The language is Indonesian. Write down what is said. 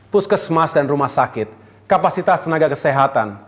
puskesmas dan rumah sakit kapasitas tenaga kesehatan